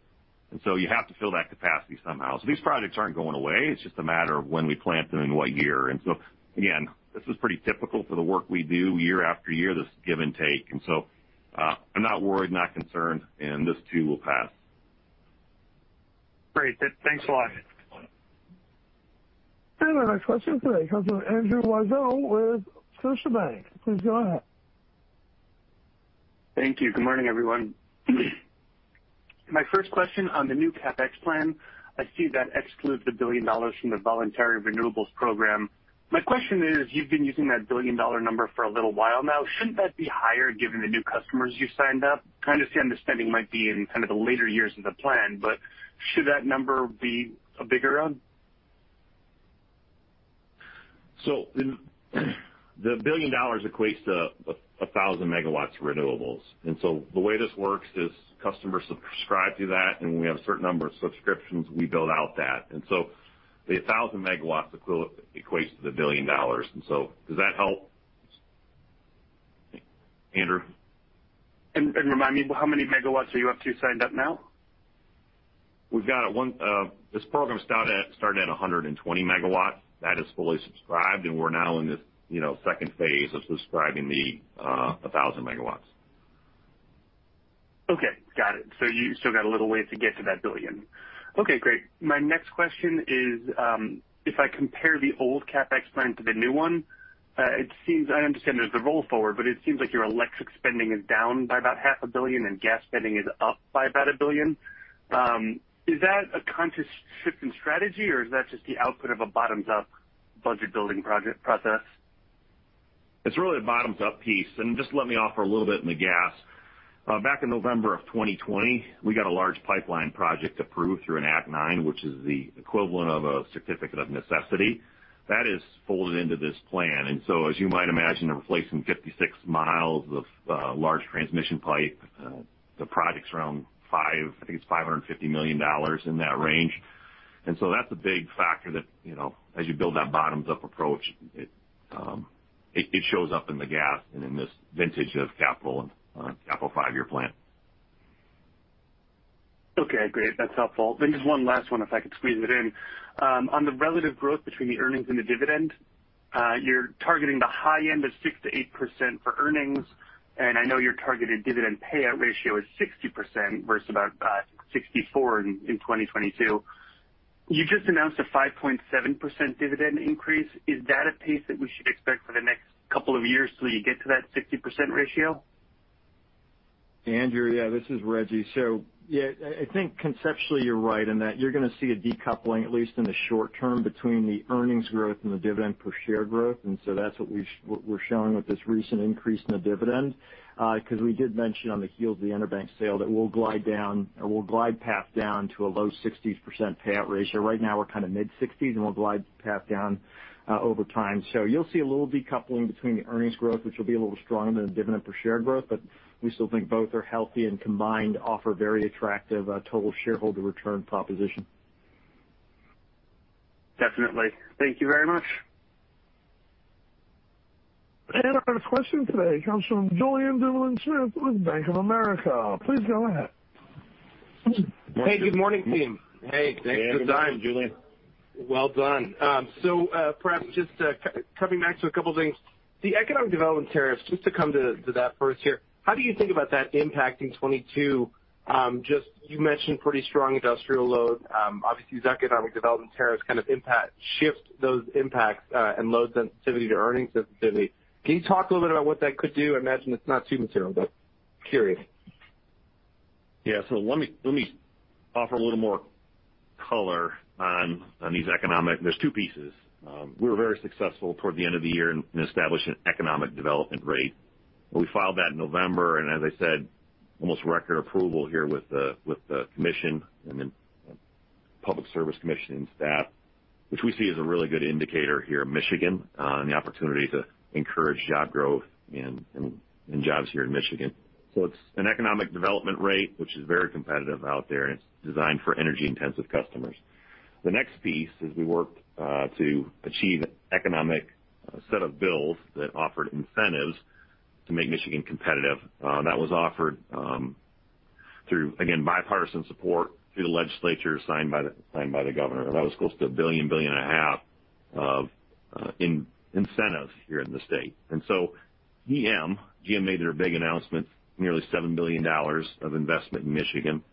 and so you have to fill that capacity somehow. These projects aren't going away, it's just a matter of when we plant them in what year. Again, this is pretty typical for the work we do year after year, this give and take. I'm not worried, not concerned, and this too will pass. Great. Thanks a lot. Our next question today comes from Andrew Weisel with Scotiabank. Please go ahead. Thank you. Good morning, everyone. My first question on the new CapEx plan, I see that excludes $1 billion from the Voluntary Green Pricing. My question is, you've been using that $1 billion number for a little while now. Shouldn't that be higher given the new customers you signed up? I understand the spending might be in kind of the later years of the plan, but should that number be a bigger one? The $1 billionr equates to 1,000 MW of renewables. The way this works is customers subscribe to that, and when we have a certain number of subscriptions, we build out that. The 1,000 MW equates to the $1 billion. Does that help? Andrew? Remind me, how many megawatts are you up to signed up now? We've got one. This program started at 120 MW. That is fully subscribed, and we're now in this, you know, second phase of subscribing the 1,000 MW. Okay. Got it. You still got a little way to get to that $1 billion. Okay, great. My next question is, if I compare the old CapEx plan to the new one, it seems I understand there's a roll forward, but it seems like your electric spending is down by about $0.5 billion and gas spending is up by about $1 billion. Is that a conscious shift in strategy, or is that just the output of a bottoms-up budget-building process? It's really a bottoms-up piece. Just let me offer a little bit in the gas. Back in November 2020, we got a large pipeline project approved through an Act 9, which is the equivalent of a certificate of necessity. That is folded into this plan. As you might imagine, replacing 56 miles of large transmission pipe, the project's around $550 million in that range. That's a big factor that, you know, as you build that bottoms-up approach, it shows up in the gas and in this vintage of capital and capital five-year plan. Okay, great. That's helpful. Just one last one, if I could squeeze it in. On the relative growth between the earnings and the dividend, you're targeting the high end of 6%-8% for earnings. I know your targeted dividend payout ratio is 60% versus about 64% in 2022. You just announced a 5.7% dividend increase. Is that a pace that we should expect for the next couple of years till you get to that 60% ratio? Andrew? Yeah, this is Rejji. Yeah, I think conceptually you're right in that you're gonna see a decoupling, at least in the short term, between the earnings growth and the dividend per share growth. That's what we're showing with this recent increase in the dividend, because we did mention on the heels of the EnerBank sale that we'll glide down or we'll glide path down to a low-60s% payout ratio. Right now we're kind of mid-60s% and we'll glide path down over time. You'll see a little decoupling between the earnings growth, which will be a little stronger than the dividend per share growth. We still think both are healthy and combined offer very attractive total shareholder return proposition. Definitely. Thank you very much. Our question today comes from Julien Dumoulin-Smith with Bank of America. Please go ahead. Hey, good morning team. Hey. Thanks for the time, Julien. Well done. Perhaps just coming back to a couple things. The economic development tariffs, just to come to that first here, how do you think about that impacting 2022? Just you mentioned pretty strong industrial load. Obviously these economic development tariffs kind of impact shift those impacts, and load sensitivity to earnings sensitivity. Can you talk a little bit about what that could do? I imagine it's not too material, but curious. Let me offer a little more color on these economic. There's two pieces. We were very successful toward the end of the year in establishing an economic development rate. We filed that in November, and as I said, almost record approval here with the commission and then Michigan Public Service Commission and staff, which we see as a really good indicator here in Michigan, and the opportunity to encourage job growth and jobs here in Michigan. It's an economic development rate, which is very competitive out there, and it's designed for energy-intensive customers. The next piece is we worked to achieve economic set of bills that offered incentives to make Michigan competitive. That was offered through, again, bipartisan support through the legislature, signed by the governor. That was close to $1 billion-$1.5 billion of incentives here in the state. GM made their big announcement, nearly $7 billion of investment in Michigan,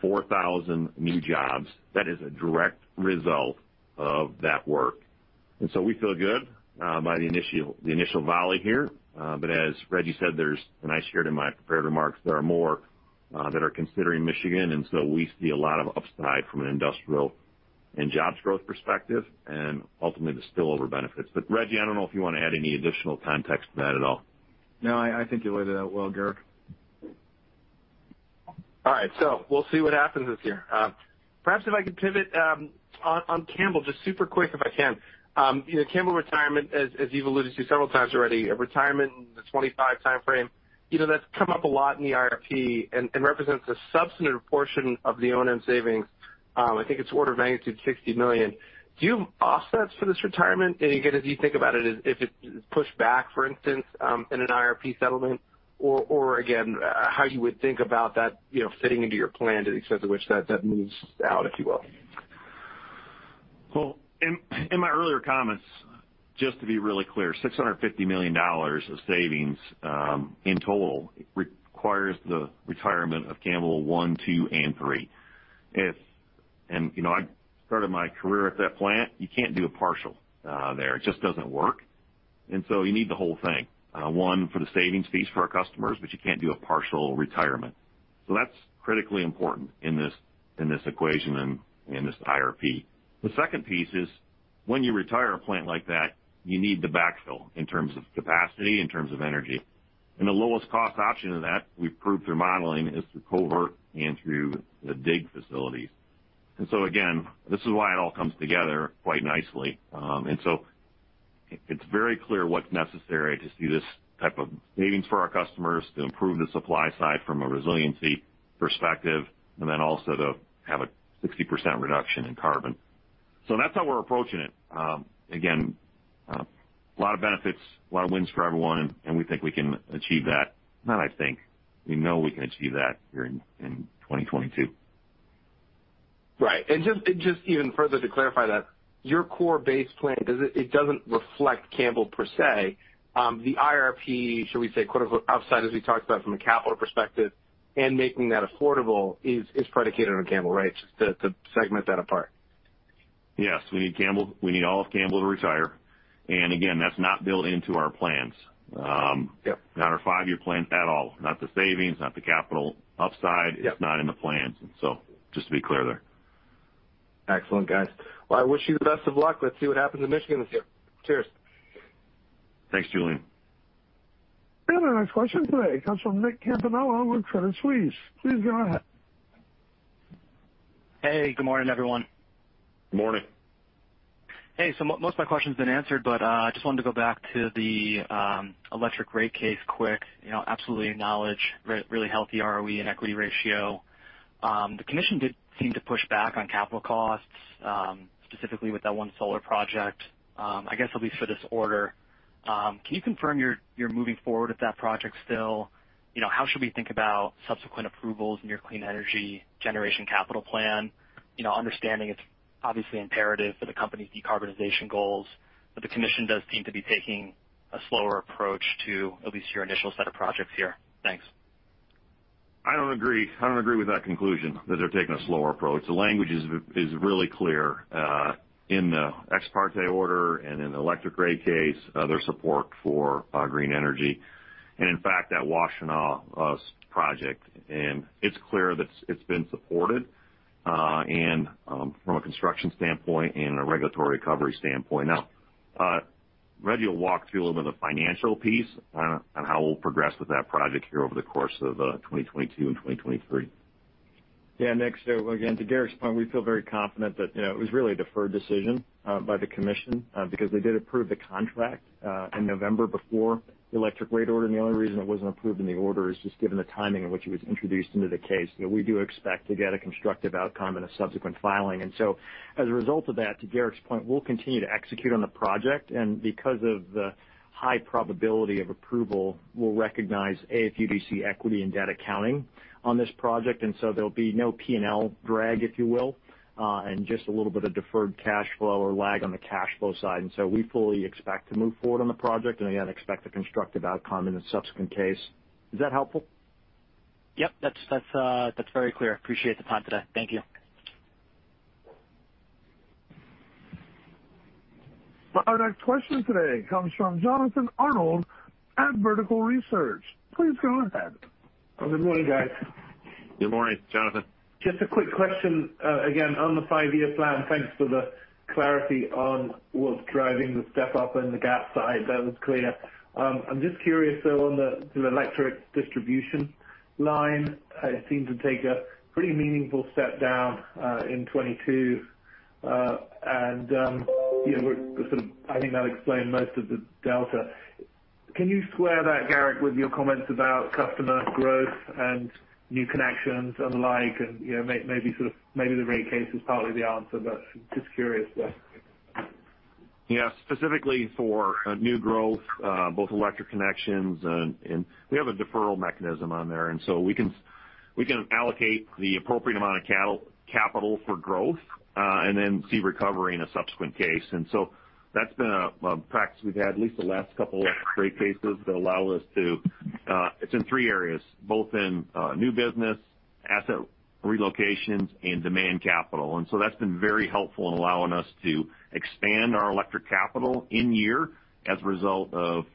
4,000 new jobs. That is a direct result of that work. We feel good about the initial volley here. But as Rejji said, I shared in my prepared remarks, there are more that are considering Michigan, and we see a lot of upside from an industrial and jobs growth perspective and ultimately the spillover benefits. Rejji, I don't know if you want to add any additional context to that at all. No, I think you laid it out well, Garrick. All right. We'll see what happens this year. Perhaps if I could pivot on Campbell just super quick, if I can. You know, Campbell retirement, as you've alluded to several times already, a retirement in the 25 timeframe, you know, that's come up a lot in the IRP and represents a substantive portion of the OM savings. I think it's order of magnitude $60 million. Do you have offsets for this retirement? Again, as you think about it, if it's pushed back, for instance, in an IRP settlement or again, how you would think about that, you know, fitting into your plan to the extent to which that moves out, if you will. In my earlier comments, just to be really clear, $650 million of savings in total requires the retirement of Campbell 1, 2, and 3. I started my career at that plant. You can't do a partial there. It just doesn't work. You need the whole thing. One for the savings piece for our customers, but you can't do a partial retirement. That's critically important in this equation and in this IRP. The second piece is when you retire a plant like that, you need to backfill in terms of capacity, in terms of energy. The lowest cost option of that, we've proved through modeling, is through Covert and through the DIG facilities. This is why it all comes together quite nicely. It's very clear what's necessary to see this type of savings for our customers, to improve the supply side from a resiliency perspective, and then also to have a 60% reduction in carbon. That's how we're approaching it. Again, a lot of benefits, a lot of wins for everyone, and we think we can achieve that. Not I think, we know we can achieve that here in 2022. Right. Just even further to clarify that, your core base plan, it doesn't reflect Campbell per se. The IRP, shall we say, quote unquote, "upside," as we talked about from a capital perspective and making that affordable is predicated on Campbell, right? Just to segment that apart. Yes. We need Campbell. We need all of Campbell to retire. Again, that's not built into our plans. Yep. Not our five year plan at all. Not the savings, not the capital upside. Yep. It's not in the plans. Just to be clear there. Excellent, guys. Well, I wish you the best of luck. Let's see what happens in Michigan this year. Cheers. Thanks, Julien. Our next question today comes from Nicholas Campanella with Credit Suisse. Please go ahead. Hey, good morning, everyone. Morning. Hey, most of my question's been answered, but I just wanted to go back to the electric rate case quick. You know, I absolutely acknowledge really healthy ROE and equity ratio. The commission did seem to push back on capital costs, specifically with that one solar project. I guess at least for this order, can you confirm you're moving forward with that project still? You know, how should we think about subsequent approvals in your clean energy generation capital plan? You know, understanding it's obviously imperative for the company's decarbonization goals, but the commission does seem to be taking a slower approach to at least your initial set of projects here. Thanks. I don't agree with that conclusion that they're taking a slower approach. The language is really clear in the ex parte order and in the electric rate case, their support for green energy and in fact that Washtenaw solar project. It's clear that it's been supported and from a construction standpoint and a regulatory recovery standpoint. Now, Rejji will walk through a little bit of the financial piece on how we'll progress with that project here over the course of 2022 and 2023. Yeah. Nick, so again, to Garrick's point, we feel very confident that, you know, it was really a deferred decision by the commission, because they did approve the contract in November before the electric rate order. The only reason it wasn't approved in the order is just given the timing in which it was introduced into the case. You know, we do expect to get a constructive outcome in a subsequent filing. So as a result of that, to Garrick's point, we'll continue to execute on the project. Because of the high probability of approval, we'll recognize AFUDC equity and debt accounting on this project, and so there'll be no P&L drag, if you will, and just a little bit of deferred cash flow or lag on the cash flow side. We fully expect to move forward on the project and again, expect a constructive outcome in a subsequent case. Is that helpful? Yep. That's very clear. Appreciate the time today. Thank you. Our next question today comes from Jonathan Arnold at Vertical Research. Please go ahead. Good morning, guys. Good morning, Jonathan. Just a quick question, again, on the five year plan. Thanks for the clarity on what's driving the step up in the gas side. That was clear. I'm just curious, though, on the electric distribution line, it seemed to take a pretty meaningful step down in 2022. You know, I think that explained most of the delta. Can you square that, Garrick, with your comments about customer growth and new connections and the like, you know, maybe sort of maybe the rate case is partly the answer, but just curious there. Yeah. Specifically for new growth, both electric connections and we have a deferral mechanism on there. We can allocate the appropriate amount of capital for growth, and then see recovery in a subsequent case. That's been a practice we've had at least the last couple of rate cases that allow us to. It's in three areas, both in new business, asset relocations and demand capital. That's been very helpful in allowing us to expand our electric capital in year as a result of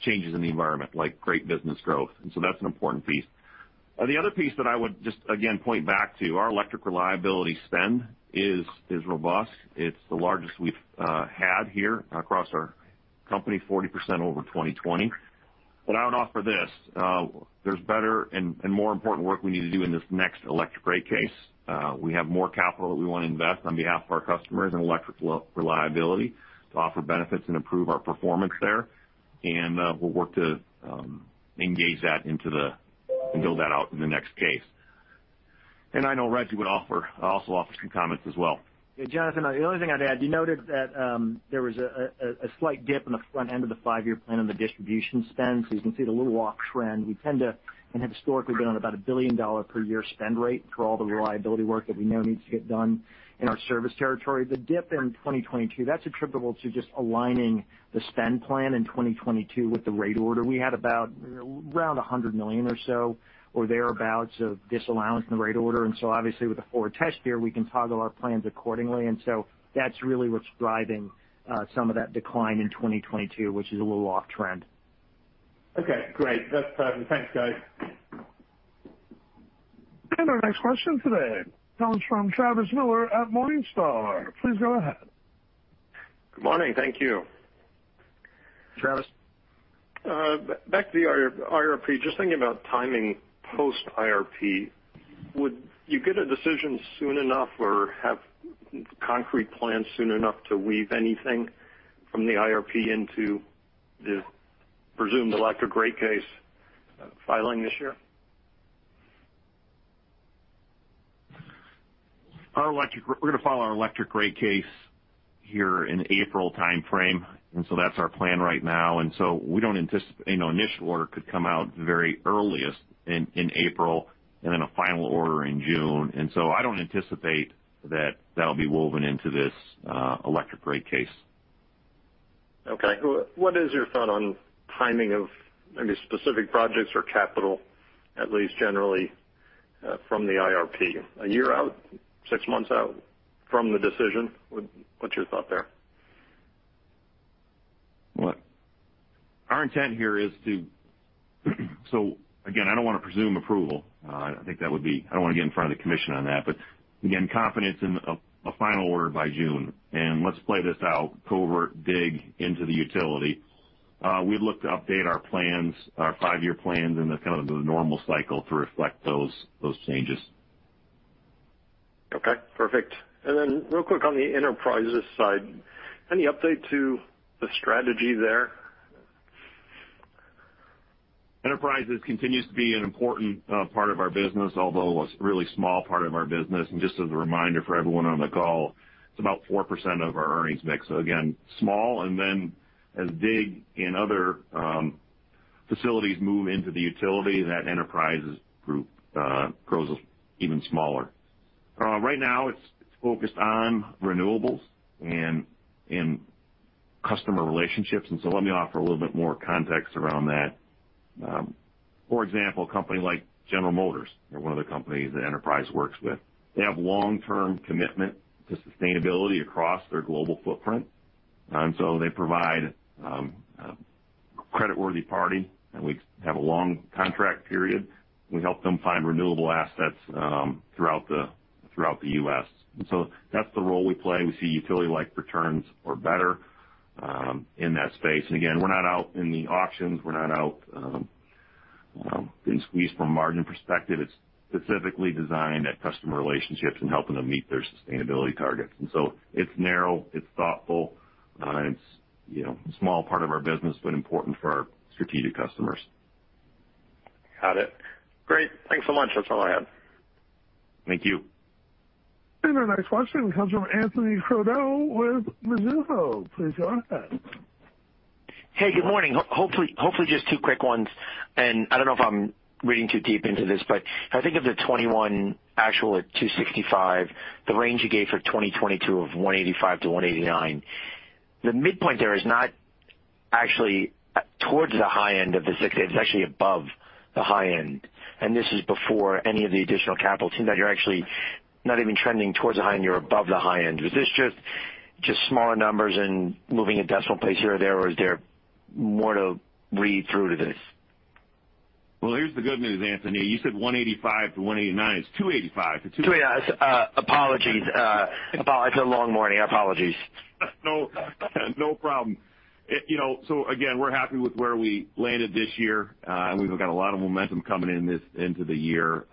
changes in the environment like great business growth. That's an important piece. The other piece that I would just again point back to, our electric reliability spend is robust. It's the largest we've had here across our company, 40% over 2020. I would offer this, there's better and more important work we need to do in this next electric rate case. We have more capital that we want to invest on behalf of our customers and electric reliability to offer benefits and improve our performance there. We'll work to engage that and build that out in the next case. I know Rejji would offer some comments as well. Yeah, Jonathan, the only thing I'd add, you noted that there was a slight dip in the front end of the five year plan on the distribution spend. You can see the little off trend. We tend to and have historically been on about a $1 billion per year spend rate for all the reliability work that we know needs to get done in our service territory. The dip in 2022, that's attributable to just aligning the spend plan in 2022 with the rate order. We had about around $100 million or so or thereabouts of disallowance in the rate order. Obviously with the forward test here, we can toggle our plans accordingly. That's really what's driving some of that decline in 2022, which is a little off trend. Okay, great. That's perfect. Thanks, guys. Our next question today comes from Travis Miller at Morningstar. Please go ahead. Good morning. Thank you. Travis. Back to the IRP. Just thinking about timing post IRP, would you get a decision soon enough or have concrete plans soon enough to weave anything from the IRP into the presumed electric rate case filing this year? We're going to file our electric rate case here in April timeframe, and so that's our plan right now. We don't anticipate initial order could come out very earliest in April and then a final order in June. I don't anticipate that that'll be woven into this, electric rate case. Okay. What is your thought on timing of maybe specific projects or capital, at least generally, from the IRP? A year out, six months out from the decision? What's your thought there? Our intent here is to. Again, I don't want to presume approval. I don't want to get in front of the commission on that. Again, confidence in a final order by June. Let's play this out, Covert DIG into the utility. We look to update our plans, our five year plans in the normal cycle to reflect those changes. Okay, perfect. Real quick on the Enterprises side, any update to the strategy there? Enterprises continues to be an important part of our business, although a really small part of our business. Just as a reminder for everyone on the call, it's about 4% of our earnings mix. Again, small and then as DIG and other facilities move into the utility, that Enterprises group grows even smaller. Right now it's focused on renewables and customer relationships, and so let me offer a little bit more context around that. For example, a company like General Motors, they're one of the companies that Enterprise works with. They have long-term commitment to sustainability across their global footprint. They provide a creditworthy party, and we have a long contract period. We help them find renewable assets throughout the U.S. That's the role we play. We see utility-like returns or better in that space. Again, we're not out in the auctions, we're not out being squeezed from a margin perspective. It's specifically designed for customer relationships and helping them meet their sustainability targets. It's narrow, it's thoughtful, you know, a small part of our business, but important for our strategic customers. Got it. Great. Thanks so much. That's all I have. Thank you. Our next question comes from Anthony Crowdell with Mizuho. Please go ahead. Hey, good morning. Hopefully, just two quick ones. I don't know if I'm reading too deep into this, but if I think of the 2021 actual at $2.65, the range you gave for 2022 of $1.85-$1.89, the midpoint there is not actually towards the high end of the 60, it's actually above the high end. This is before any of the additional capital. It seems like you're actually not even trending towards the high end, you're above the high end. Is this just smaller numbers and moving a decimal place here or there, or is there more to read through to this? Well, here's the good news, Anthony. You said $1.85-$1.89. It's $2.85 to two-. 280. Apologies. It's a long morning. Apologies. No, no problem. You know, we're happy with where we landed this year. We've got a lot of momentum coming into the year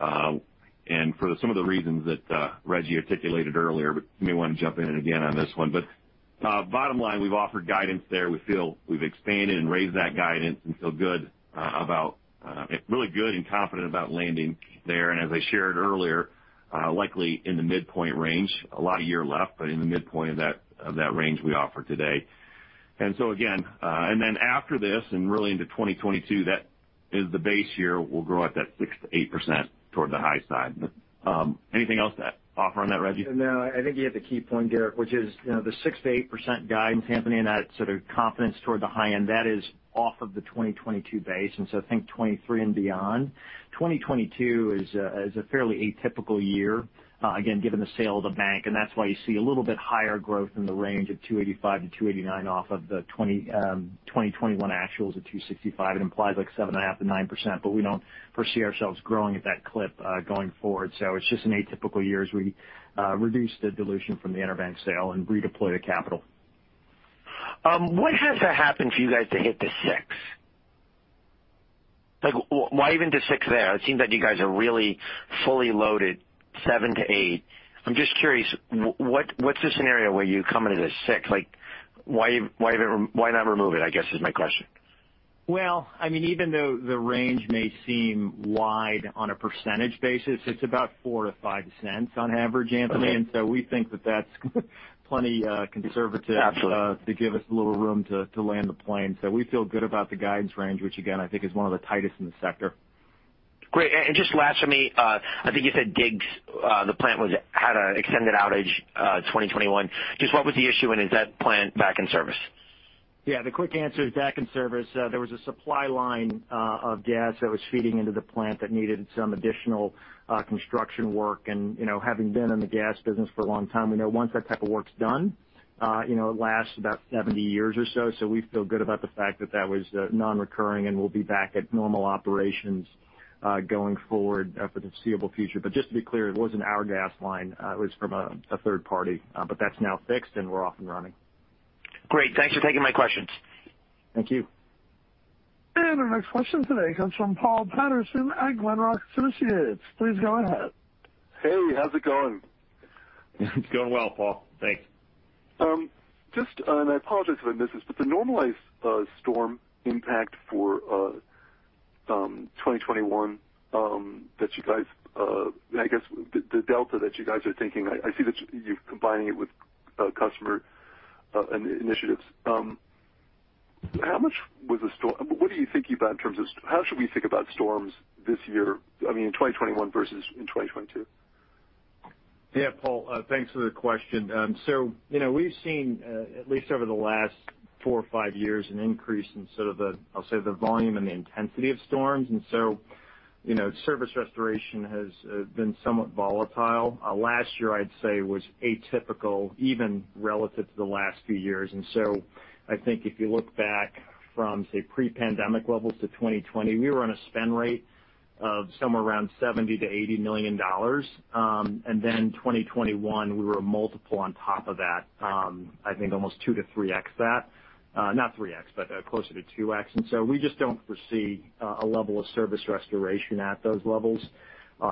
and for some of the reasons that Rejji articulated earlier. You may want to jump in again on this one. Bottom line, we've offered guidance there. We feel we've expanded and raised that guidance and feel good about really good and confident about landing there. As I shared earlier, likely in the midpoint range. A lot of year left, but in the midpoint of that range we offer today. After this and really into 2022, that is the base year will grow at that 6%-8% toward the high side. Anything else to offer on that, Rejji? No, I think you hit the key point, Garrick, which is, you know, the 6%-8% guidance, Anthony, and that sort of confidence toward the high end that is off of the 2022 base. I think 2023 and beyond. 2022 is a fairly atypical year, again, given the sale of the bank, and that's why you see a little bit higher growth in the range of $2.85-$2.89 off of the 2021 actuals of $2.65. It implies like 7.5%-9%, but we don't foresee ourselves growing at that clip going forward. It's just in atypical years, we reduce the dilution from the EnerBank sale and redeploy the capital. What has to happen for you guys to hit the 6%? Like, why even the 6% there? It seems like you guys are really fully loaded 7%-8%. I'm just curious, what's the scenario where you come into the 6%? Like, why not remove it, I guess, is my question. Well, I mean, even though the range may seem wide on a percentage basis, it's about $0.04-$0.05 on average, Anthony. Okay. We think that that's plenty conservative. Absolutely. to give us a little room to land the plane. We feel good about the guidance range, which again I think is one of the tightest in the sector. Great. Just last for me, I think you said DIG, the plant had an extended outage, 2021. Just what was the issue and is that plant back in service? Yeah, the quick answer is back in service. There was a supply line of gas that was feeding into the plant that needed some additional construction work. You know, having been in the gas business for a long time, we know once that type of work's done, you know, it lasts about 70-years or so. We feel good about the fact that that was non-recurring and we'll be back at normal operations going forward for the foreseeable future. Just to be clear, it wasn't our gas line, it was from a third party. That's now fixed and we're off and running. Great. Thanks for taking my questions. Thank you. Our next question today comes from Paul Patterson at Glenrock Associates LLC. Please go ahead. Hey, how's it going? It's going well, Paul. Thanks. Just, and I apologize if I missed this, but the normalized storm impact for 2021 that you guys, I guess the delta that you guys are thinking, I see that you're combining it with customer initiatives. How much was the storm? What do you think about in terms of how should we think about storms this year, I mean, in 2021 versus in 2022? Yeah. Paul, thanks for the question. You know, we've seen at least over the last four or five years, an increase in sort of the, I'll say, the volume and the intensity of storms. You know, service restoration has been somewhat volatile. Last year I'd say was atypical even relative to the last few years. I think if you look back from, say, pre-pandemic levels to 2020, we were on a spend rate of somewhere around $70 million-$80 million. Then 2021 we were a multiple on top of that. I think almost two to three times that. Not three times, but closer to two times. We just don't foresee a level of service restoration at those levels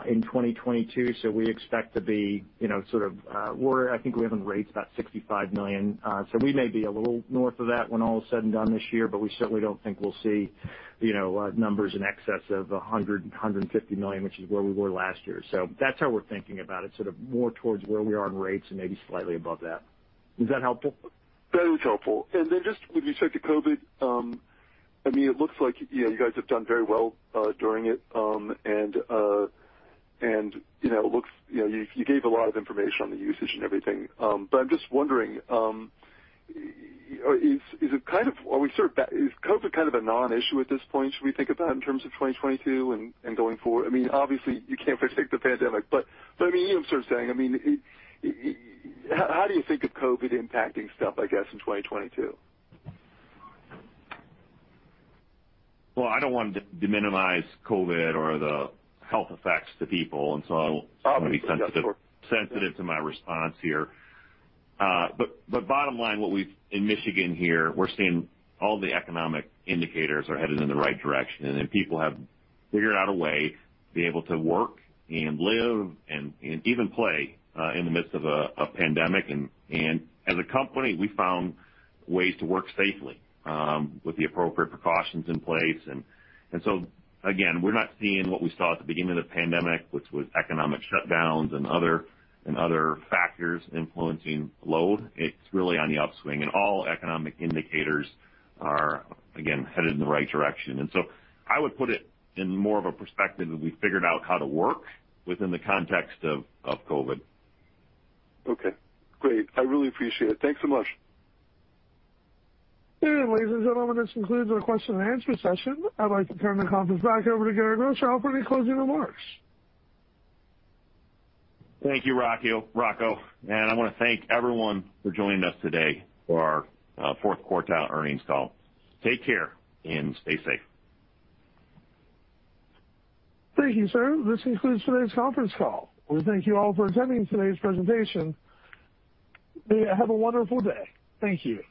in 2022. We expect to be, you know, sort of, I think we have a rate about $65 million. We may be a little north of that when all is said and done this year, but we certainly don't think we'll see, you know, numbers in excess of $150 million, which is where we were last year. That's how we're thinking about it, sort of more towards where we are on rates and maybe slightly above that. Is that helpful? That was helpful. Then just when you check the COVID, I mean, it looks like, you know, you guys have done very well during it, and you know, you gave a lot of information on the usage and everything, but I'm just wondering, is COVID kind of a non-issue at this point? Should we think about it in terms of 2022 and going forward? I mean, obviously you can't predict the pandemic, but I mean, even sort of saying, I mean, how do you think of COVID impacting stuff, I guess, in 2022? Well, I don't want to minimize COVID or the health effects on people, and so I'll be sensitive. Oh, sure. I'm sensitive to my response here. But bottom line, what we have in Michigan here, we're seeing all the economic indicators are headed in the right direction. People have figured out a way to be able to work and live and even play in the midst of a pandemic. As a company, we found ways to work safely with the appropriate precautions in place. Again, we're not seeing what we saw at the beginning of the pandemic, which was economic shutdowns and other factors influencing load. It's really on the upswing. All economic indicators are again headed in the right direction. I would put it in more of a perspective that we figured out how to work within the context of COVID. Okay, great. I really appreciate it. Thanks so much. Ladies and gentlemen, this concludes our question and answer session. I'd like to turn the conference back over to Garrick Rochow for any closing remarks. Thank you, Rocco. I wanna thank everyone for joining us today for our fourth quarter earnings call. Take care and stay safe. Thank you, sir. This concludes today's conference call. We thank you all for attending today's presentation. May you have a wonderful day. Thank you.